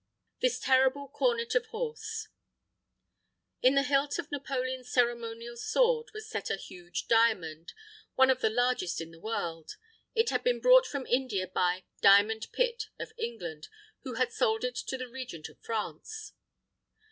THIS TERRIBLE CORNET OF HORSE In the hilt of Napoleon's ceremonial sword, was set a huge diamond, one of the largest in the world. It had been brought from India by "Diamond Pitt" of England, who had sold it to the Regent of France.